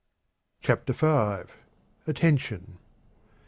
CHAPTER V. Attention.